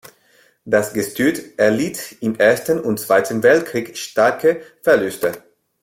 Das Gestüt erlitt im Ersten und Zweiten Weltkrieg starke Verluste.